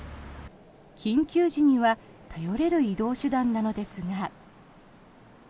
緊急時には頼れる移動手段なのですが。